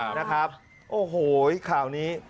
ครับนะครับโอโหววข้าวนี้